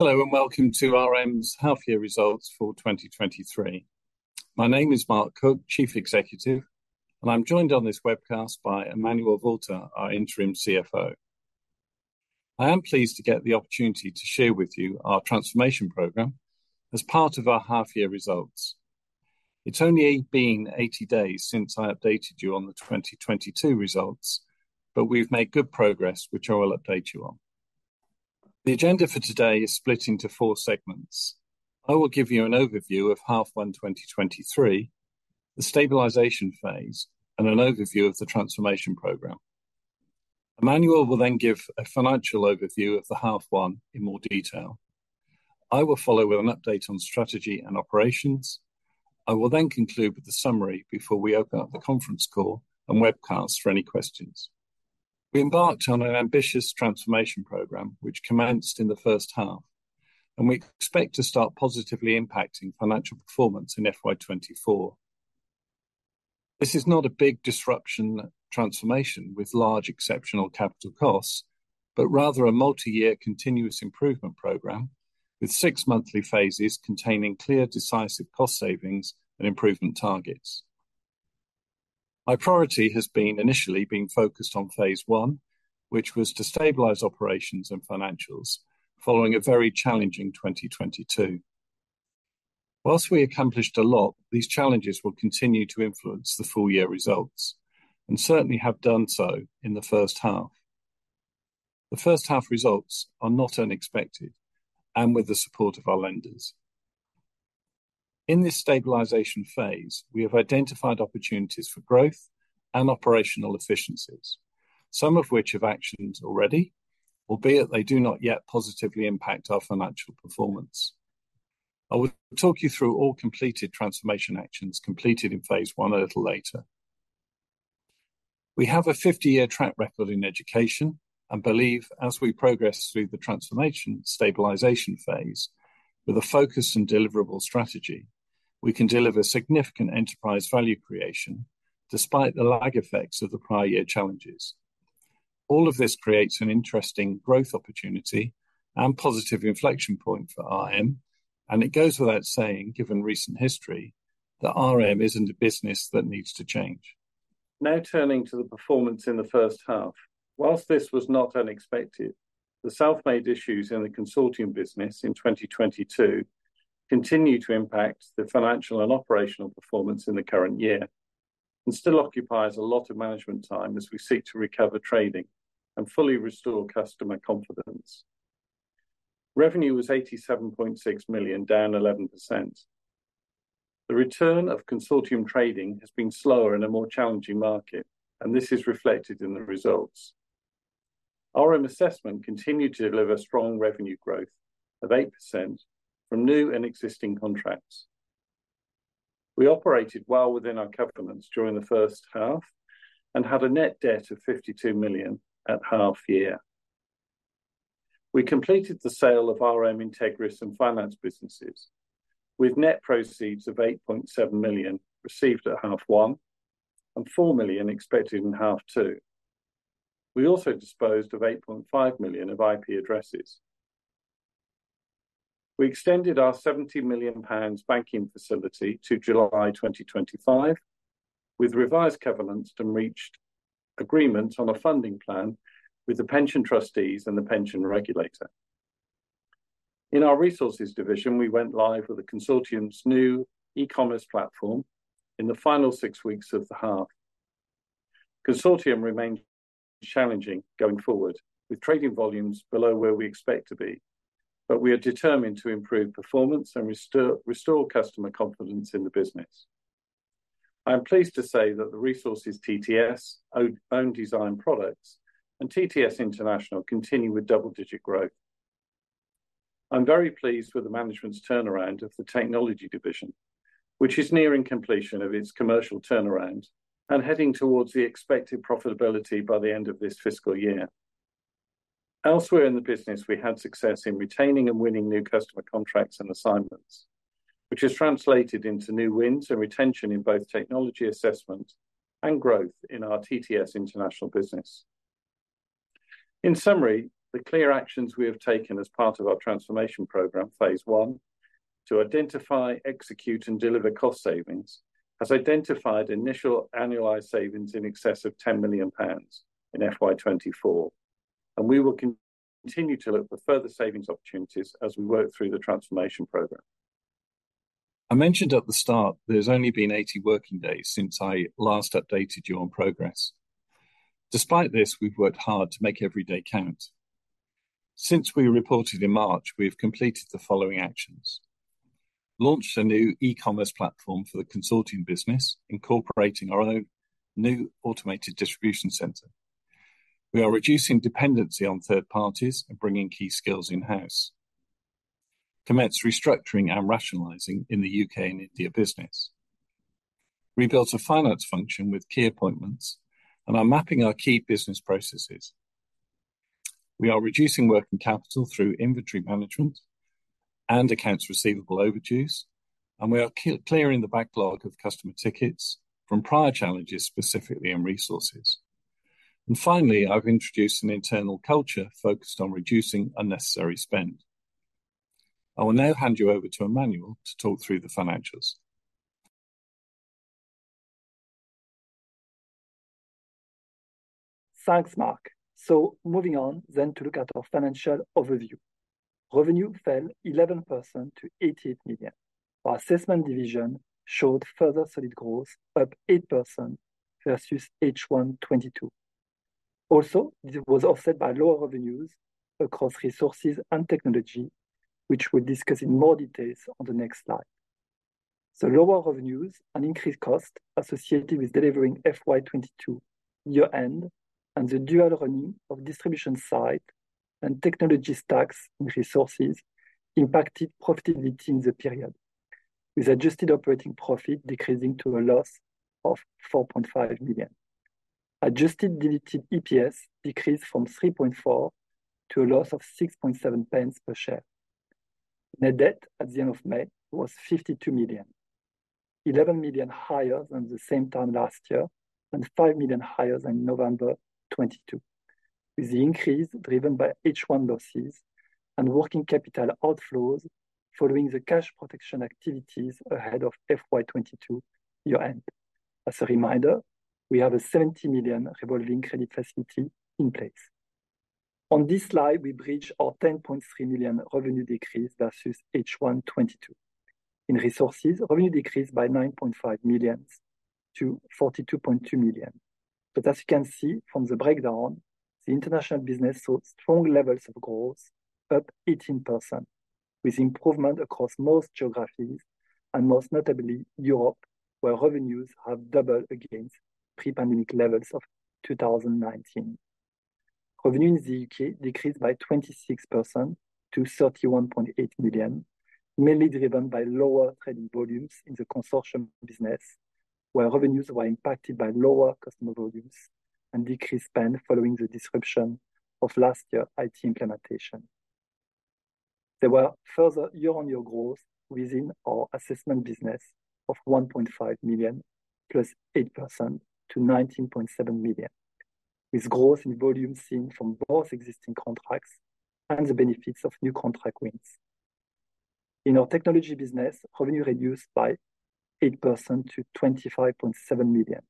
Hello, welcome to RM's half year results for 2023. My name is Mark Cook, Chief Executive, and I'm joined on this webcast by Emmanuel Walter, our interim CFO. I am pleased to get the opportunity to share with you our transformation program as part of our half year results. It's only been 80 days since I updated you on the 2022 results, but we've made good progress, which I will update you on. The agenda for today is split into four segments. I will give you an overview of H1 2023, the stabilization phase, and an overview of the transformation program. Emmanuel will then give a financial overview of the H1 in more detail. I will follow with an update on strategy and operations. I will then conclude with the summary before we open up the conference call and webcast for any questions. We embarked on an ambitious transformation program, which commenced in the H1, and we expect to start positively impacting financial performance in FY 2024. This is not a big disruption transformation with large exceptional capital costs, but rather a multi-year continuous improvement program with six monthly phases containing clear, decisive cost savings and improvement targets. My priority has been initially being focused on phase I, which was to stabilize operations and financials following a very challenging 2022. While we accomplished a lot, these challenges will continue to influence the full year results, and certainly have done so in the H1. The H1 results are not unexpected, and with the support of our lenders. In this stabilization phase, we have identified opportunities for growth and operational efficiencies, some of which have actions already, albeit they do not yet positively impact our financial performance. I will talk you through all completed transformation actions completed in phase I a little later. We have a 50-year track record in education and believe as we progress through the transformation stabilization phase with a focus and deliverable strategy, we can deliver significant enterprise value creation despite the lag effects of the prior year challenges. All of this creates an interesting growth opportunity and positive inflection point for RM, and it goes without saying, given recent history, that RM isn't a business that needs to change. Now, turning to the performance in the H1. While this was not unexpected, the self-made issues in the Consortium business in 2022 continue to impact the financial and operational performance in the current year, and still occupies a lot of management time as we seek to recover trading and fully restore customer confidence. Revenue was 87.6 million, down 11%. The return of Consortium trading has been slower in a more challenging market. This is reflected in the results. RM Assessment continued to deliver strong revenue growth of 8% from new and existing contracts. We operated well within our covenants during the H1 and had a net debt of 52 million at half-year. We completed the sale of RM Integris and finance businesses, with net proceeds of 8.7 million received at H1 and 4 million expected in H2. We also disposed of 8.5 million of IP addresses. We extended our 70 million pounds banking facility to July 2025, with revised covenants and reached agreements on a funding plan with the pension trustees and the pension regulator. In our resources division, we went live with the Consortium's new e-commerce platform in the final six weeks of the half. Consortium remained challenging going forward, with trading volumes below where we expect to be. We are determined to improve performance and restore customer confidence in the business. I am pleased to say that the resources TTS, own, own design products and TTS International continue with double-digit growth. I'm very pleased with the management's turnaround of the technology division, which is nearing completion of its commercial turnaround and heading towards the expected profitability by the end of this fiscal year. Elsewhere in the business, we had success in retaining and winning new customer contracts and assignments, which has translated into new wins and retention in both technology assessment and growth in our TTS International business. In summary, the clear actions we have taken as part of our transformation program, phase I, to identify, execute, and deliver cost savings, has identified initial annualized savings in excess of 10 million pounds in FY 2024, we will continue to look for further savings opportunities as we work through the transformation program. I mentioned at the start, there's only been 80 working days since I last updated you on progress. Despite this, we've worked hard to make every day count. Since we reported in March, we have completed the following actions: Launched a new e-commerce platform for the Consortium business, incorporating our own new automated distribution center. We are reducing dependency on third parties and bringing key skills in-house. Commence restructuring and rationalizing in the U.K. and India business. Rebuilt a finance function with key appointments and are mapping our key business processes. We are reducing working capital through inventory management and accounts receivable overdues, clearing the backlog of customer tickets from prior challenges, specifically in resources. Finally, I've introduced an internal culture focused on reducing unnecessary spend. I will now hand you over to Emmanuel to talk through the financials. Thanks, Mark. Moving on to look at our financial overview. Revenue fell 11% to 88 million. Our RM Assessment division showed further solid growth, up 8% versus H1 2022. This was offset by lower revenues across RM Resources and RM Technology, which we'll discuss in more details on the next slide. Lower revenues and increased costs associated with delivering FY 2022 year-end and the dual running of distribution side and technology stacks in RM Resources impacted profitability in the period, with adjusted operating profit decreasing to a loss of 4.5 million. Adjusted diluted EPS decreased from 3.4 to a loss of 6.7 pence per share. Net debt at the end of May was 52 million, 11 million higher than the same time last year and 5 million higher than November 2022, with the increase driven by H1 losses and working capital outflows following the cash protection activities ahead of FY 2022 year-end. As a reminder, we have a 70 million revolving credit facility in place. On this slide, we bridge our 10.3 million revenue decrease versus H1 2022. In resources, revenue decreased by 9.5 million to 42.2 million. As you can see from the breakdown, the international business saw strong levels of growth, up 18%, with improvement across most geographies, and most notably Europe, where revenues have doubled against pre-pandemic levels of 2019. Revenue in the UK decreased by 26% to 31.8 million, mainly driven by lower trading volumes in the Consortium business, where revenues were impacted by lower customer volumes and decreased spend following the disruption of last year's IT implementation. There were further year-on-year growth within our assessment business of 1.5 million, +8% to 19.7 million, with growth in volume seen from both existing contracts and the benefits of new contract wins. In our technology business, revenue reduced by 8% to 25.7 million.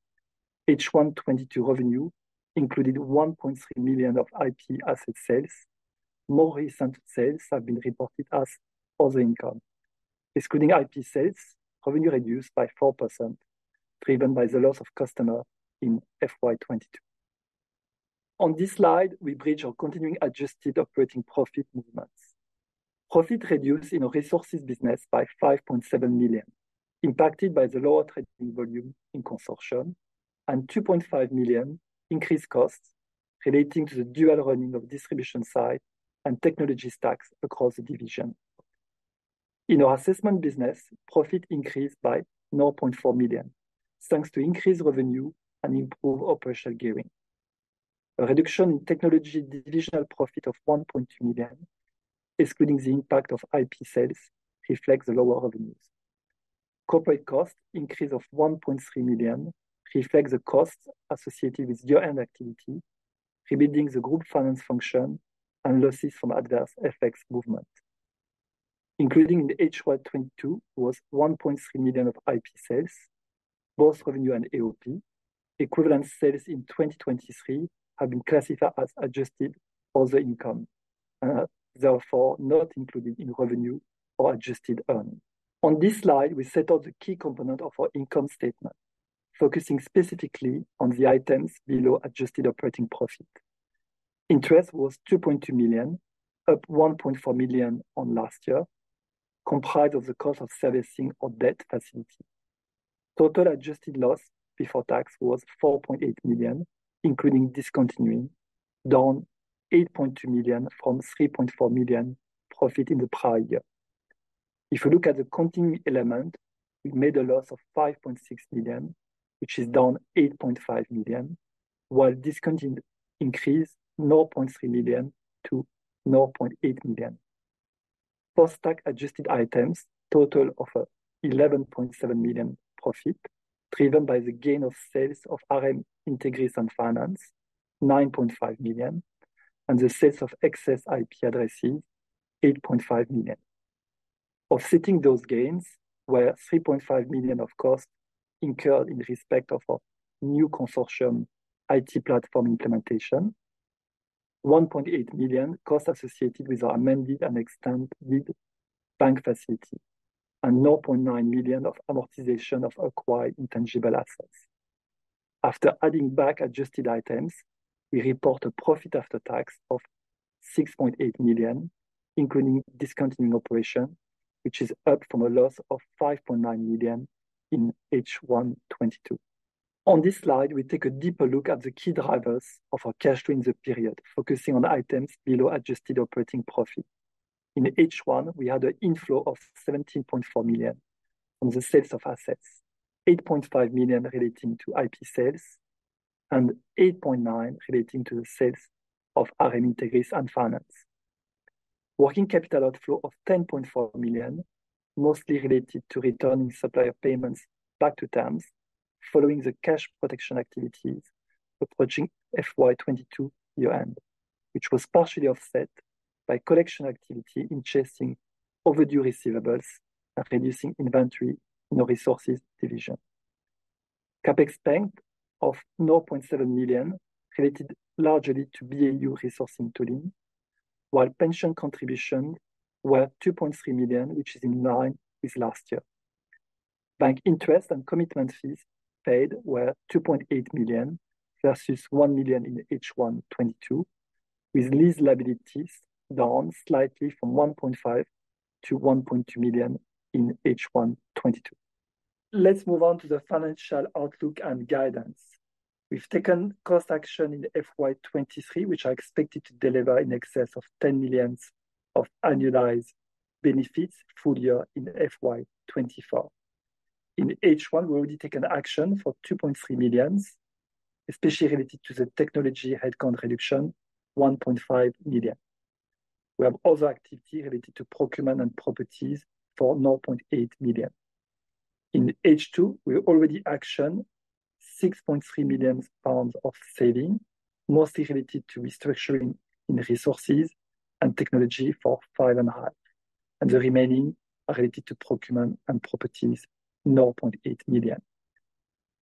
H1 2022 revenue included 1.3 million of IP asset sales. More recent sales have been reported as other income. Excluding IP sales, revenue reduced by 4%, driven by the loss of customer in FY 2022. On this slide, we bridge our continuing adjusted operating profit movements. Profit reduced in our resources business by 5.7 million, impacted by the lower trading volume in Consortium and 2.5 million increased costs relating to the dual running of distribution side and technology stacks across the division. In our Assessment business, profit increased by 0.4 million, thanks to increased revenue and improved operational gearing. A reduction in Technology divisional profit of 1.2 million, excluding the impact of IP sales, reflects the lower revenues. Corporate cost increase of 1.3 million reflects the costs associated with year-end activity, rebuilding the group finance function, and losses from adverse FX movement. Including the H1 2022 was 1.3 million of IP sales, both revenue and AOP. Equivalent sales in 2023 have been classified as adjusted other income, therefore, not included in revenue or adjusted earnings. On this slide, we set out the key component of our income statement, focusing specifically on the items below adjusted operating profit. Interest was 2.2 million, up 1.4 million on last year, comprised of the cost of servicing our debt facility. Total adjusted loss before tax was 4.8 million, including discontinuing, down 8.2 million from 3.4 million profit in the prior year. If you look at the continuing element, we made a loss of 5.6 million, which is down 8.5 million, while discontinued increased 0.3 million to 0.8 million. Post-tax adjusted items total of 11.7 million profit, driven by the gain of sales of RM Integris and Finance, 9.5 million, and the sales of excess IP addresses, 8.5 million. Offsetting those gains were 3.5 million of costs incurred in respect of our new Consortium IT platform implementation, 1.8 million costs associated with our amended and extended bank facility, and 0.9 million of amortization of acquired intangible assets. After adding back adjusted items, we report a profit after tax of 6.8 million, including discontinuing operation, which is up from a loss of 5.9 million in H1 2022. On this slide, we take a deeper look at the key drivers of our cash during the period, focusing on items below adjusted operating profit. In H1, we had an inflow of 17.4 million from the sales of assets, 8.5 million relating to IP sales and 8.9 million relating to the sales of RM Integris and Finance.... working capital outflow of 10.4 million, mostly related to returning supplier payments back to terms, following the cash protection activities approaching FY 2022 year end, which was partially offset by collection activity in chasing overdue receivables and reducing inventory in the resources division. CapEx spend of 0.7 million related largely to BAU resourcing tooling, while pension contribution were 2.3 million, which is in line with last year. Bank interest and commitment fees paid were 2.8 million versus 1 million in H1 2022, with lease liabilities down slightly from 1.5 million-1.2 million in H1 2022. Let's move on to the financial outlook and guidance. We've taken cost action in FY 2023, which are expected to deliver in excess of 10 million of annualized benefits full year in FY 2024. In H1, we already taken action for 2.3 million, especially related to the technology headcount reduction, 1.5 million. We have other activity related to procurement and properties for 0.8 million. In H2, we already actioned 6.3 million pounds of saving, mostly related to restructuring in resources and technology for 5.5 million, the remaining are related to procurement and properties, 0.8 million.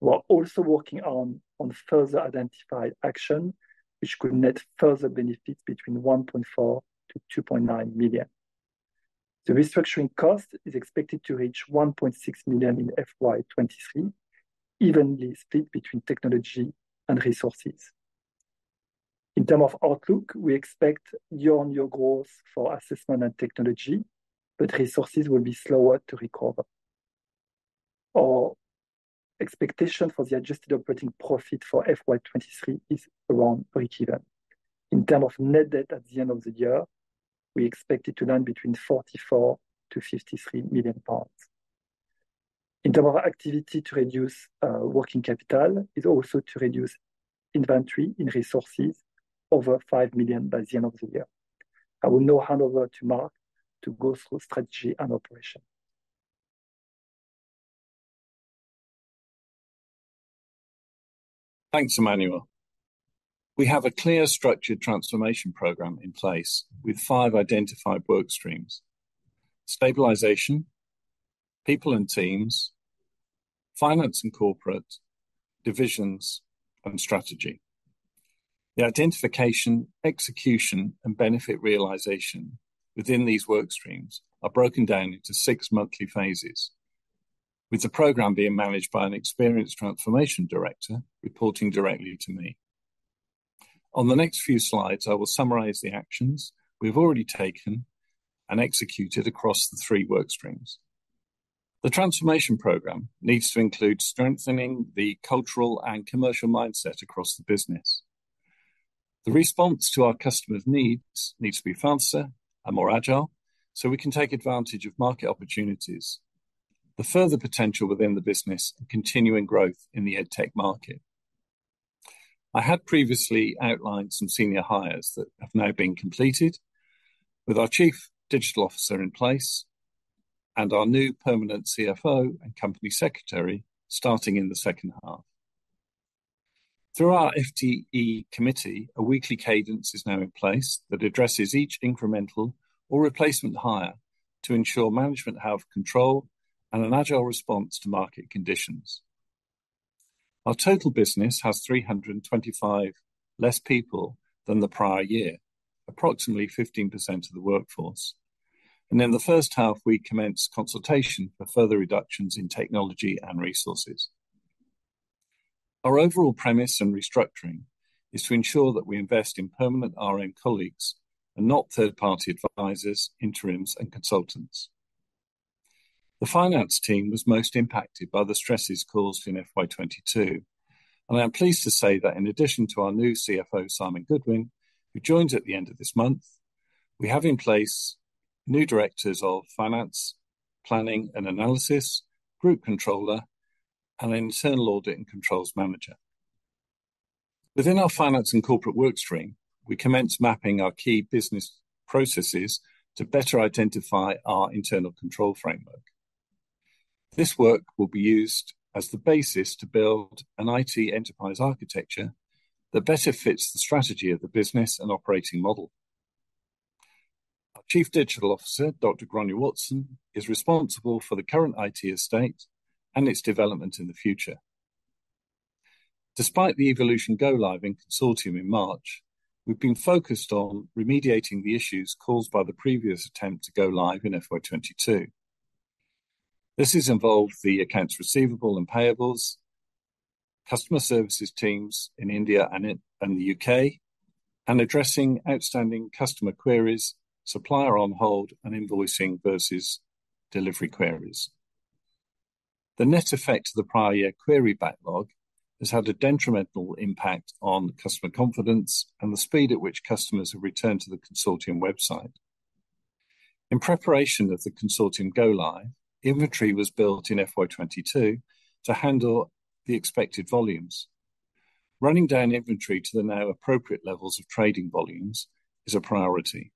We are also working on further identified action, which could net further benefits between 1.4 million-2.9 million. The restructuring cost is expected to reach 1.6 million in FY 2023, evenly split between technology and resources. In term of outlook, we expect year-on-year growth for assessment and technology, resources will be slower to recover. Our expectation for the adjusted operating profit for FY 2023 is around breakeven. In terms of net debt at the end of the year, we expect it to land between 44 million-53 million pounds. In terms of our activity to reduce working capital, is also to reduce inventory in resources over 5 million by the end of the year. I will now hand over to Mark to go through strategy and operation. Thanks, Emmanuel. We have a clear structured transformation program in place with five identified work streams: stabilization, people and teams, finance and corporate, divisions, and strategy. The identification, execution, and benefit realization within these work streams are broken down into six monthly phases, with the program being managed by an experienced transformation director reporting directly to me. On the next few slides, I will summarize the actions we've already taken and executed across the three work streams. The transformation program needs to include strengthening the cultural and commercial mindset across the business. The response to our customers' needs, needs to be faster and more agile, so we can take advantage of market opportunities, the further potential within the business, and continuing growth in the EdTech market. I had previously outlined some senior hires that have now been completed, with our Chief Digital Officer in place and our new permanent CFO and Company Secretary starting in the H2. Through our FTE committee, a weekly cadence is now in place that addresses each incremental or replacement hire to ensure management have control and an agile response to market conditions. Our total business has 325 less people than the prior year, approximately 15% of the workforce. In the H1, we commenced consultation for further reductions in technology and resources. Our overall premise in restructuring is to ensure that we invest in permanent RM colleagues and not third-party advisors, interims, and consultants. The finance team was most impacted by the stresses caused in FY 2022. I'm pleased to say that in addition to our new CFO, Simon Goodwin, who joins at the end of this month, we have in place new directors of finance, planning and analysis, group controller, and an internal audit and controls manager. Within our finance and corporate work stream, we commenced mapping our key business processes to better identify our internal control framework. This work will be used as the basis to build an IT enterprise architecture that better fits the strategy of the business and operating model. Our Chief Digital Officer, Dr. Gráinne Watson, is responsible for the current IT estate and its development in the future. Despite the Evolution go-live in Consortium in March, we've been focused on remediating the issues caused by the previous attempt to go live in FY 2022. This has involved the accounts receivable and payables, customer services teams in India and the UK, and addressing outstanding customer queries, supplier on hold, and invoicing versus delivery queries. The net effect of the prior year query backlog has had a detrimental impact on customer confidence and the speed at which customers have returned to the Consortium website. In preparation of the Consortium go-live, inventory was built in FY 2022 to handle the expected volumes. Running down inventory to the now appropriate levels of trading volumes is a priority.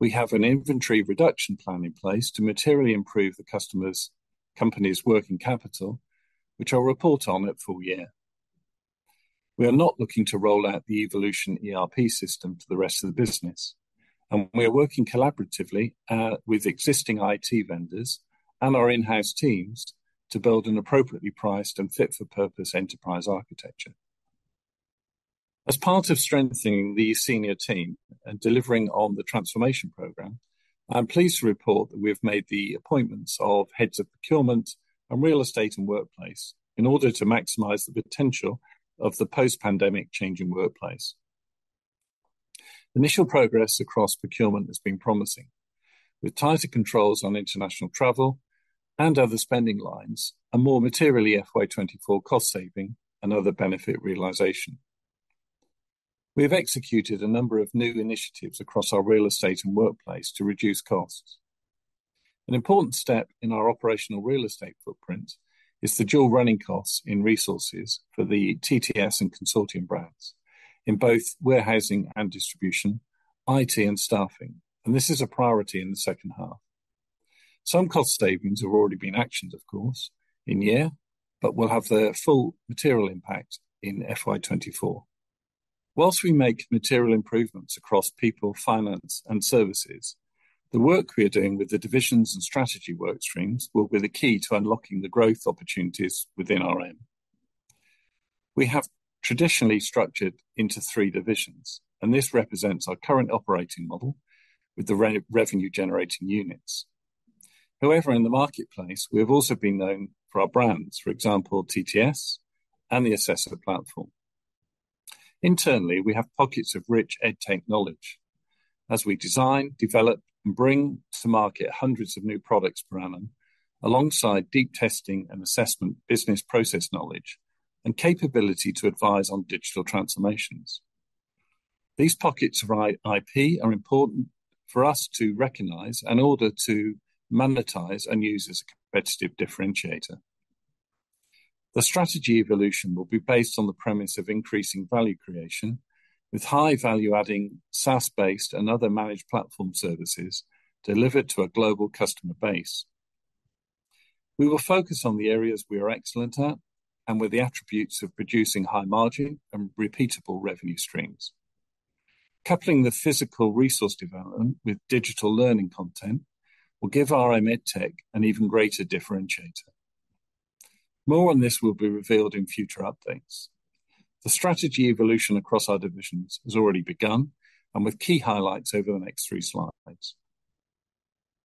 We have an inventory reduction plan in place to materially improve the customer's company's working capital, which I'll report on at full year. We are not looking to roll out the Evolution ERP system to the rest of the business, and we are working collaboratively with existing IT vendors and our in-house teams to build an appropriately priced and fit-for-purpose enterprise architecture. As part of strengthening the senior team and delivering on the transformation program, I'm pleased to report that we have made the appointments of heads of procurement and real estate and workplace in order to maximize the potential of the post-pandemic changing workplace. Initial progress across procurement has been promising, with tighter controls on international travel and other spending lines, and more materially, FY 2024 cost saving and other benefit realization. We have executed a number of new initiatives across our real estate and workplace to reduce costs. An important step in our operational real estate footprint is the dual running costs in resources for the TTS and consulting brands in both warehousing and distribution, IT, and staffing. This is a priority in the H2. Some cost savings have already been actioned, of course, in year, will have their full material impact in FY 2024. Whilst we make material improvements across people, finance, and services, the work we are doing with the divisions and strategy work streams will be the key to unlocking the growth opportunities within RM. We have traditionally structured into three divisions. This represents our current operating model with the revenue generating units. However, in the marketplace, we have also been known for our brands, for example, TTS and the Assessor platform. Internally, we have pockets of rich EdTech knowledge as we design, develop, and bring to market hundreds of new products per annum, alongside deep testing and assessment business process knowledge and capability to advise on digital transformations. These pockets of IP are important for us to recognize in order to monetize and use as a competitive differentiator. The strategy evolution will be based on the premise of increasing value creation, with high value adding SaaS-based and other managed platform services delivered to a global customer base. We will focus on the areas we are excellent at and with the attributes of producing high margin and repeatable revenue streams. Coupling the physical resource development with digital learning content will give RM EdTech an even greater differentiator. More on this will be revealed in future updates. The strategy evolution across our divisions has already begun, and with key highlights over the next three slides.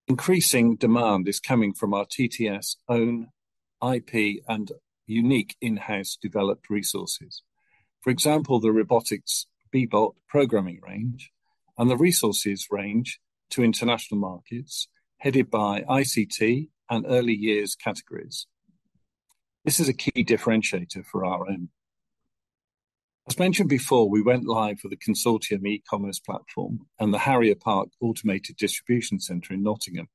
Increasing demand is coming from our TTS own IP and unique in-house developed resources. For example, the robotics Bee-Bot programming range and the resources range to international markets, headed by ICT and early years categories. This is a key differentiator for RM. As mentioned before, we went live with the Consortium e-commerce platform and the Harrier Park Automated Distribution Center in Nottingham.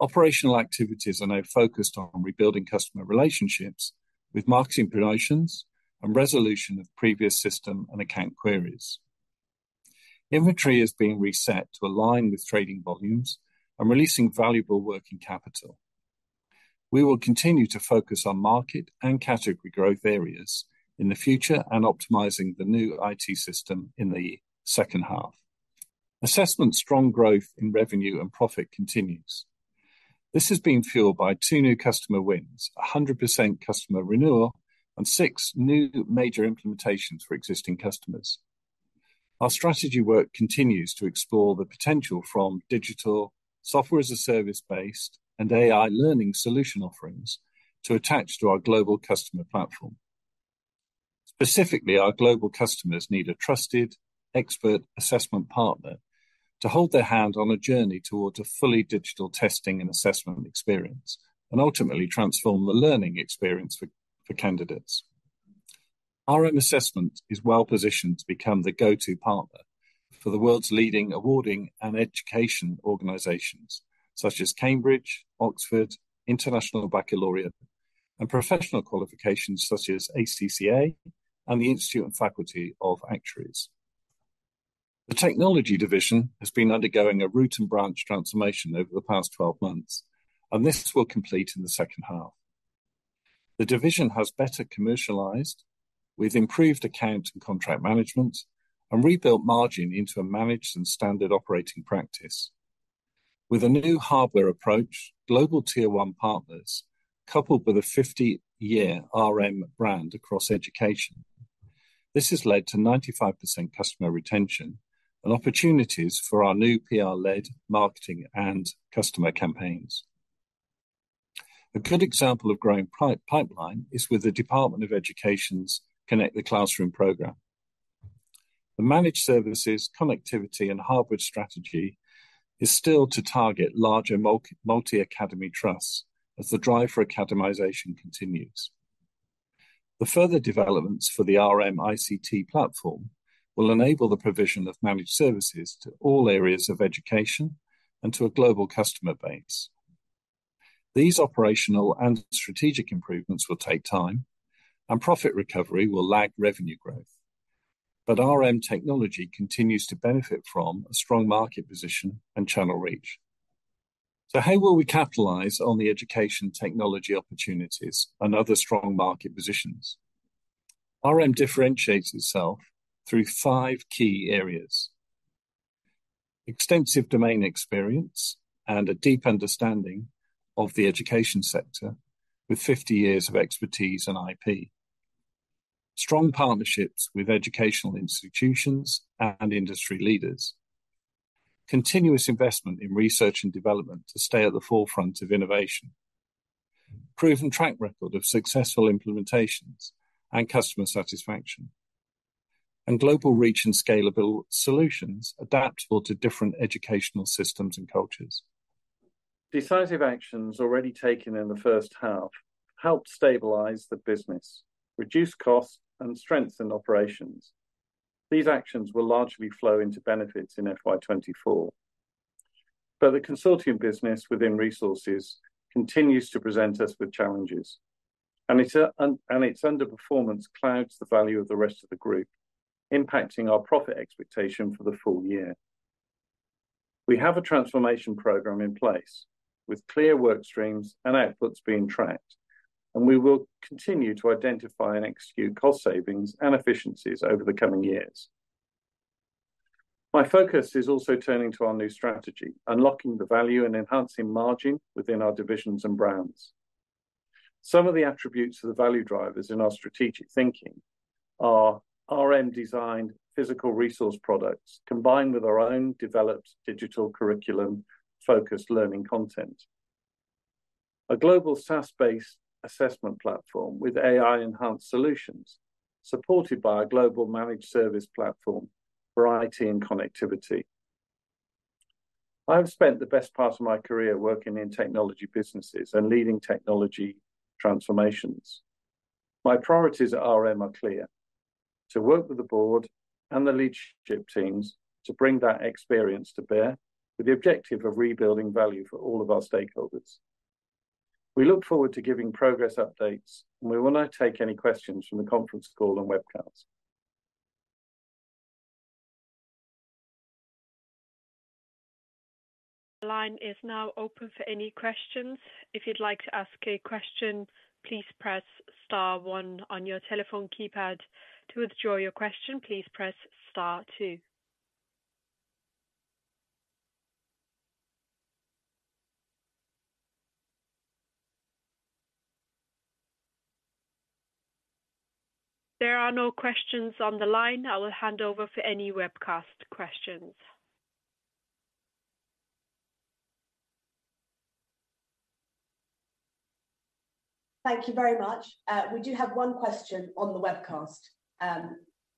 Operational activities are now focused on rebuilding customer relationships with marketing promotions and resolution of previous system and account queries. Inventory is being reset to align with trading volumes and releasing valuable working capital. We will continue to focus on market and category growth areas in the future and optimizing the new IT system in the H2. Assessment, strong growth in revenue and profit continues. This has been fueled by two new customer wins, a 100% customer renewal, and six new major implementations for existing customers. Our strategy work continues to explore the potential from digital Software-as-a-Service based and AI learning solution offerings to attach to our global customer platform. Specifically, our global customers need a trusted expert assessment partner to hold their hand on a journey towards a fully digital testing and assessment experience, and ultimately transform the learning experience for candidates. RM Assessment is well positioned to become the go-to partner for the world's leading awarding and education organizations such as Cambridge, Oxford, International Baccalaureate, and professional qualifications such as ACCA and the Institute and Faculty of Actuaries. The Technology division has been undergoing a root and branch transformation over the past 12 months. This will complete in the H2. The division has better commercialized with improved account and contract management, and rebuilt margin into a managed and standard operating practice. With a new hardware approach, global tier one partners, coupled with a 50-year RM brand across education, this has led to 95% customer retention and opportunities for our new PR-led marketing and customer campaigns. A good example of growing pipeline is with the Department for Education's Connect the Classroom program. The managed services, connectivity, and hardware strategy is still to target larger multi-academy trusts as the drive for academization continues. The further developments for the RM ICT platform will enable the provision of managed services to all areas of education and to a global customer base. These operational and strategic improvements will take time, and profit recovery will lag revenue growth. RM Technology continues to benefit from a strong market position and channel reach. How will we capitalize on the education technology opportunities and other strong market positions? RM differentiates itself through five key areas: extensive domain experience and a deep understanding of the education sector with 50 years of expertise and IP. Strong partnerships with educational institutions and industry leaders. Continuous investment in research and development to stay at the forefront of innovation. Proven track record of successful implementations and customer satisfaction, and global reach and scalable solutions adaptable to different educational systems and cultures. Decisive actions already taken in the H1 helped stabilize the business, reduce costs, and strengthen operations. These actions will largely flow into benefits in FY 2024. The consulting business within resources continues to present us with challenges, and it, and its underperformance clouds the value of the rest of the group, impacting our profit expectation for the full year. We have a transformation program in place, with clear work streams and outputs being tracked, and we will continue to identify and execute cost savings and efficiencies over the coming years. My focus is also turning to our new strategy: unlocking the value and enhancing margin within our divisions and brands. Some of the attributes of the value drivers in our strategic thinking are RM-designed physical resource products, combined with our own developed digital curriculum-focused learning content. A global SaaS-based assessment platform with AI-enhanced solutions, supported by a global managed service platform for IT and connectivity. I have spent the best part of my career working in technology businesses and leading technology transformations. My priorities at RM are clear: to work with the board and the leadership teams to bring that experience to bear, with the objective of rebuilding value for all of our stakeholders. We look forward to giving progress updates. We will now take any questions from the conference call and webcast. The line is now open for any questions. If you'd like to ask a question, please press star one on your telephone keypad. To withdraw your question, please press star two. There are no questions on the line. I will hand over for any webcast questions. Thank you very much. We do have one question on the webcast.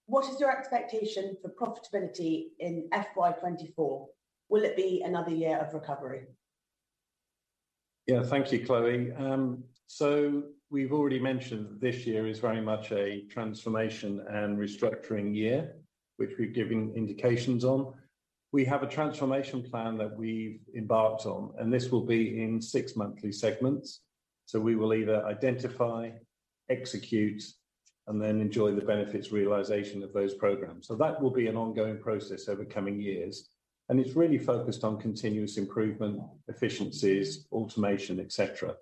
What is your expectation for profitability in FY 2024? Will it be another year of recovery? Yeah. Thank you, Chloe. We've already mentioned this year is very much a transformation and restructuring year, which we've given indications on. We have a transformation plan that we've embarked on, and this will be in six monthly segments. We will either identify, execute, and then enjoy the benefits realization of those programs. That will be an ongoing process over coming years, and it's really focused on continuous improvement, efficiencies, automation, etc.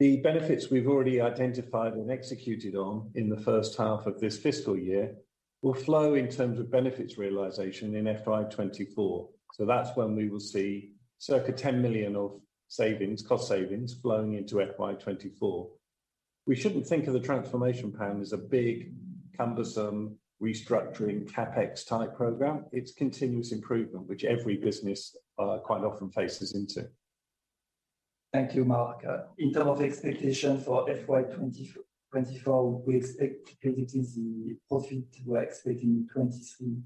The benefits we've already identified and executed on in the H1 of this fiscal year will flow in terms of benefits realization in FY 2024. That's when we will see circa 10 million of savings, cost savings, flowing into FY 2024. We shouldn't think of the transformation plan as a big, cumbersome restructuring, CapEx type program. It's continuous improvement, which every business, quite often faces into. Thank you, Mark. In terms of expectation for FY 2024, we expect predicted the profit. We're expecting 2023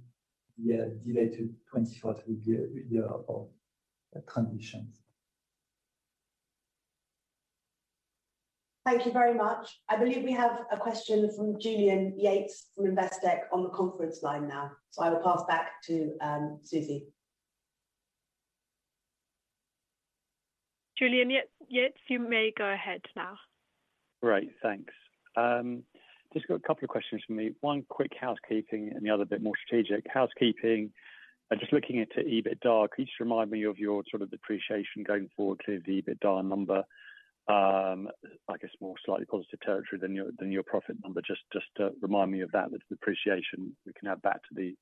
year delay to 2024 year of conditions. Thank you very much. I believe we have a question from Julian Yates from Investec on the conference line now, so I will pass back to Susie. Julian Yates, you may go ahead now. Great, thanks. Just got a couple of questions from me. One quick housekeeping and the other a bit more strategic. Housekeeping, just looking into EBITDA, could you just remind me of your sort of depreciation going forward to the EBITDA number? I guess more slightly positive territory than your, than your profit number. Just to remind me of that, the depreciation we can add back to the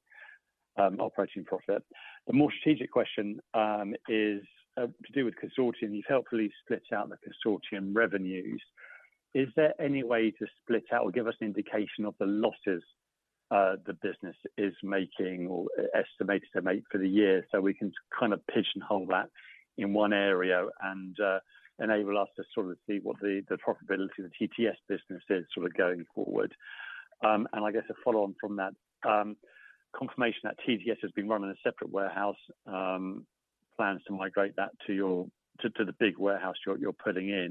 operating profit. The more strategic question is to do with Consortium. You've helpfully split out the Consortium revenues. Is there any way to split out or give us an indication of the losses the business is making or estimated to make for the year? We can kind of pigeonhole that in one area and enable us to sort of see what the profitability of the TTS business is sort of going forward. I guess a follow-on from that, confirmation that TTS has been run in a separate warehouse, plans to migrate that to your... to, to the big warehouse you're, you're putting in,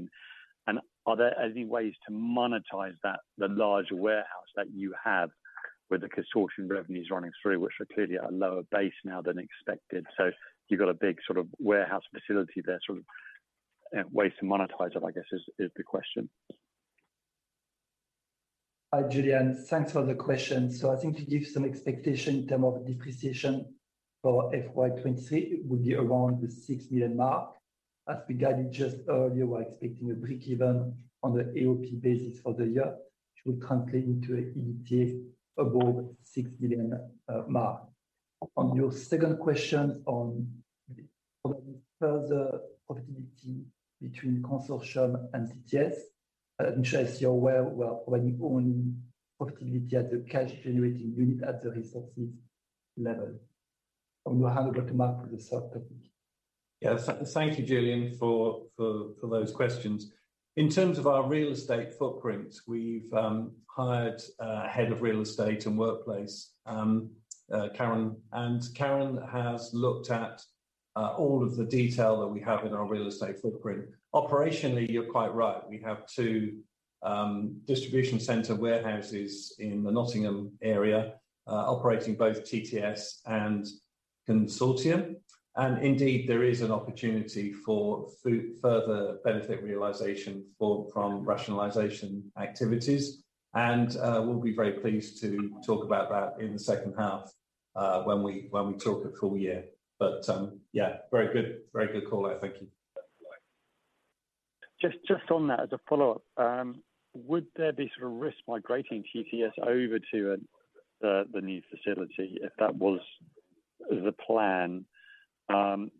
and are there any ways to monetize that, the larger warehouse that you have?... with the Consortium revenues running through, which are clearly at a lower base now than expected. You've got a big sort of warehouse facility there, sort of, ways to monetize it, I guess, is, is the question. Hi, Julian. Thanks for the question. I think to give some expectation in term of depreciation for FY 2023 would be around the 6 million mark. As we guided just earlier, we're expecting a breakeven on the AOP basis for the year, which will translate into an EBITDA above 6 million mark. On your second question on further profitability between Consortium and TTS, I'm sure you're aware, we're running own profitability at the cash-generating unit at the resources level. I'll hand it back to Mark for the second. Yeah. Thank you, Julian, for, for, for those questions. In terms of our real estate footprint, we've hired a head of real estate and workplace, Karen, and Karen has looked at all of the detail that we have in our real estate footprint. Operationally, you're quite right. We have two distribution center warehouses in the Nottingham area, operating both TTS and Consortium. Indeed, there is an opportunity for further benefit realization from rationalization activities. We'll be very pleased to talk about that in the H2, when we, when we talk at full year. Yeah, very good, very good call out. Thank you. Just, just on that, as a follow-up, would there be sort of risk migrating TTS over to the new facility if that was the plan?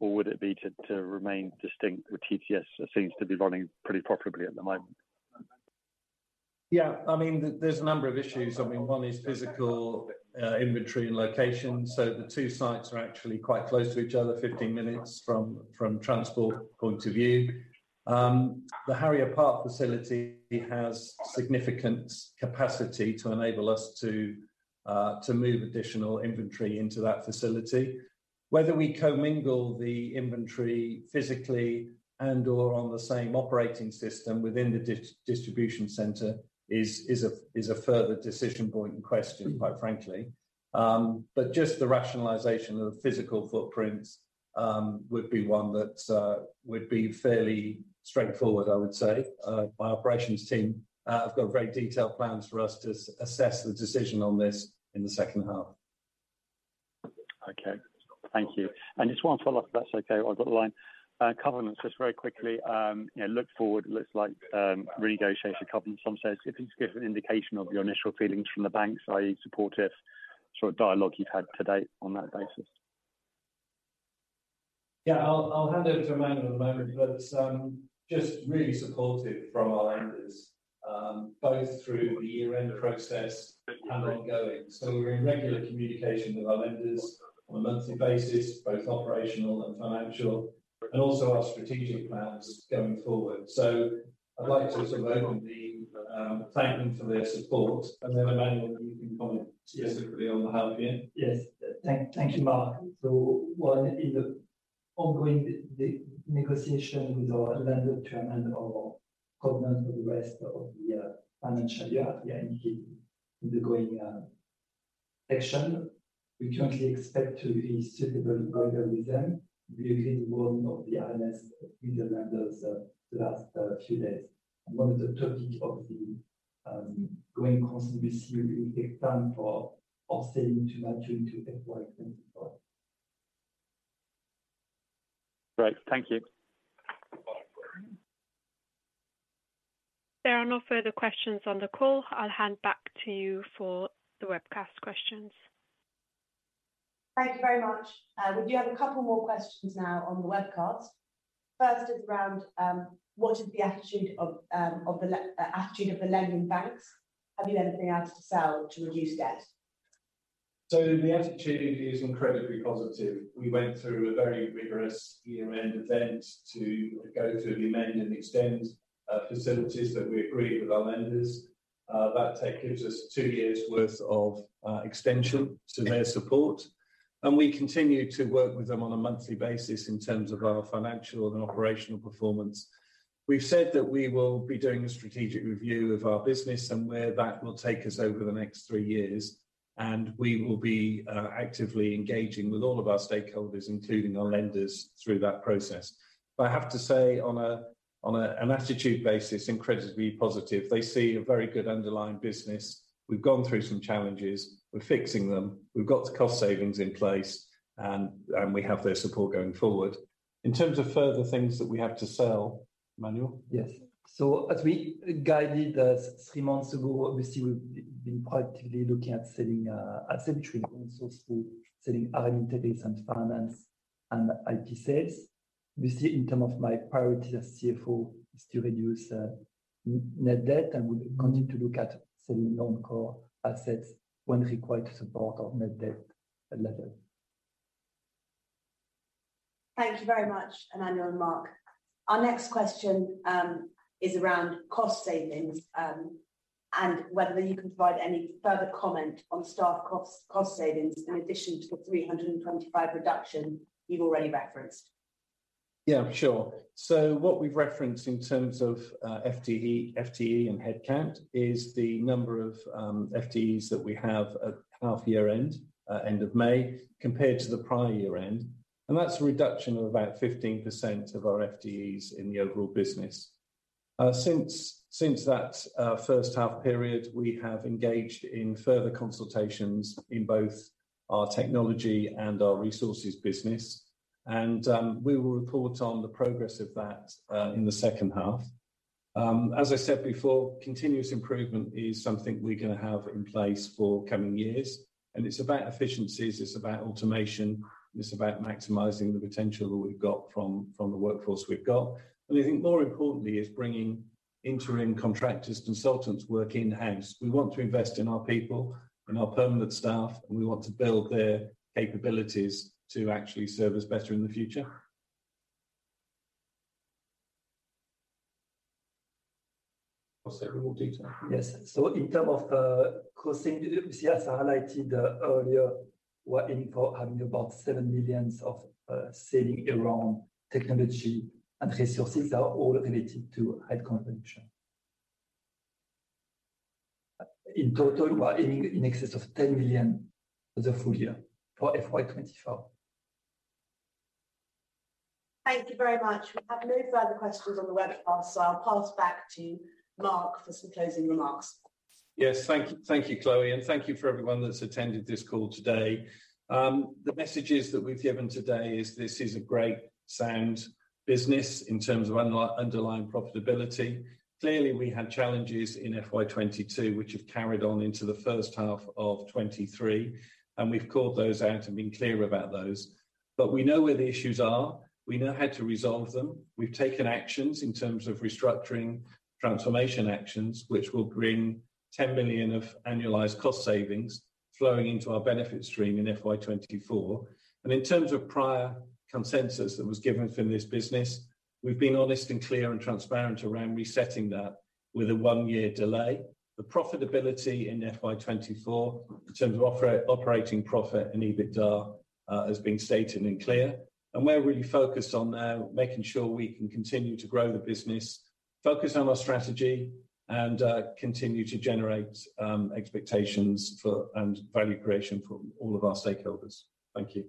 Would it be to remain distinct, with TTS it seems to be running pretty profitably at the moment. Yeah, I mean, there's a number of issues. I mean, one is physical, inventory and location. The two sites are actually quite close to each other, 15 minutes from, from transport point of view. The Harrier Park facility has significant capacity to enable us to move additional inventory into that facility. Whether we co-mingle the inventory physically and/or on the same operating system within the distribution center is, is a, is a further decision point in question, quite frankly. Just the rationalization of the physical footprints, would be one that, would be fairly straightforward, I would say. My operations team, have got very detailed plans for us to assess the decision on this in the H2. Okay. Thank you. Just one follow-up, if that's okay, I've got the line. Covenants, just very quickly, you know, look forward, it looks like, renegotiate the covenants in some sense. If you could give an indication of your initial feelings from the banks, i.e., supportive sort of dialogue you've had to date on that basis. Yeah, I'll, I'll hand over to Emmanuel in a moment, but just really supportive from our lenders, both through the year-end process and ongoing. We're in regular communication with our lenders on a monthly basis, both operational and financial, and also our strategic plans going forward. I'd like to sort of openly thank them for their support. Emmanuel, you can comment specifically on the half year. Yes. Thank, thank you, Mark. One is the ongoing negotiation with our lender to amend our covenant for the rest of the financial year. Yeah, indeed, the going action, we currently expect to be suitable agreement with them, really one of the lenders the last few days. One of the topic of the going constantly this year will take time for offsetting to match into FY 2024. Great. Thank you. There are no further questions on the call. I'll hand back to you for the webcast questions. Thank you very much. We do have a couple more questions now on the webcast. First is around what is the attitude of the lending banks? Have you been able to sell to reduce debt? The attitude is incredibly positive. We went through a very rigorous year-end event to go through the amend and extend facilities that we agreed with our lenders. That tech gives us two years worth of extension to their support, and we continue to work with them on a monthly basis in terms of our financial and operational performance. We've said that we will be doing a strategic review of our business and where that will take us over the next three years, and we will be actively engaging with all of our stakeholders, including our lenders, through that process. I have to say, on an attitude basis, incredibly positive. They see a very good underlying business. We've gone through some challenges, we're fixing them, we've got cost savings in place, and we have their support going forward. In terms of further things that we have to sell, Emmanuel? Yes. As we guided us three months ago, obviously, we've been actively looking at selling Integris, and also selling R&D and finance and IT sales. Obviously, in term of my priority as CFO is to reduce net debt, and we continue to look at selling non-core assets when required to support our net debt level. Thank you very much, Emmanuel and Mark. Our next question, is around cost savings, and whether you can provide any further comment on staff cost, cost savings in addition to the 325 reduction you've already referenced. Yeah, sure. What we've referenced in terms of FTE, FTE and headcount is the number of FTEs that we have at half year end, end of May, compared to the prior year end, and that's a reduction of about 15% of our FTEs in the overall business. Since that H1 period, we have engaged in further consultations in both our technology and our resources business and we will report on the progress of that in the H2. As I said before, continuous improvement is something we're gonna have in place for coming years, and it's about efficiencies, it's about automation, it's about maximizing the potential that we've got from the workforce we've got. And I think more importantly, is bringing interim contractors, consultants work in-house. We want to invest in our people and our permanent staff, and we want to build their capabilities to actually serve us better in the future. I'll say a little more detail. Yes. In terms of the costing, as I highlighted earlier, we're aiming for having about 7 million of saving around technology and resources are all related to headcount reduction. In total, we are aiming in excess of 10 million for the full year for FY 2024. Thank you very much. We have no further questions on the web. I'll pass back to Mark for some closing remarks. Yes. Thank you. Thank you, Chloe, and thank you for everyone that's attended this call today. The messages that we've given today is this is a great sound business in terms of underlying profitability. Clearly, we had challenges in FY 2022, which have carried on into the H1 of 2023, and we've called those out and been clear about those. We know where the issues are. We know how to resolve them. We've taken actions in terms of restructuring, transformation actions, which will bring 10 million of annualized cost savings flowing into our benefit stream in FY 2024. In terms of prior consensus that was given from this business, we've been honest and clear and transparent around resetting that with a one-year delay. The profitability in FY 2024, in terms of operating profit and EBITDA, has been stated and clear, and we're really focused on now making sure we can continue to grow the business, focus on our strategy, and continue to generate expectations for, and value creation for all of our stakeholders. Thank you.